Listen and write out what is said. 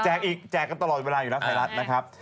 อีกแจกกันตลอดเวลาอยู่แล้วไทยรัฐนะครับ